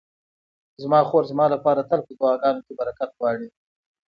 زما خور زما لپاره تل په دعاګانو کې برکت غواړي.